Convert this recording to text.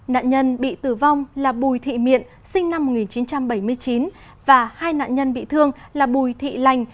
nạn nhân bị tử vong là bùi thị miện sinh năm một nghìn chín trăm bảy mươi chín và hai nạn nhân bị thương là bùi thị lành